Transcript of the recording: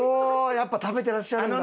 やっぱり食べていらっしゃるんだ。